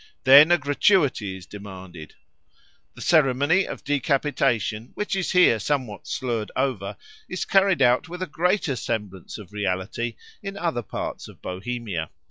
Then a gratuity is demanded. The ceremony of decapitation, which is here somewhat slurred over, is carried out with a greater semblance of reality in other parts of Bohemia.